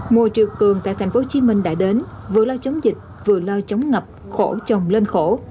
mùa triều cường tại tp hcm đã đến vừa lo chống dịch vừa lo chống ngập khổ chồng lên khổ